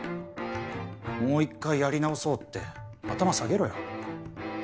もう一回やり直そうって頭下げろよ。